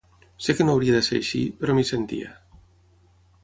Sé que no hauria de ser així, però m’hi sentia.